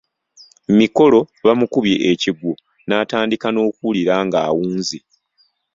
Mikolo bamukubye ekigwo n’atandika n'okuwulira ng'awunze.